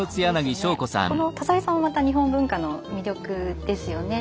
この多彩さもまた日本文化の魅力ですよね。